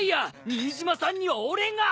新島さんには俺が！